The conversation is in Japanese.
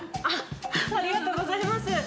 ありがとうございます。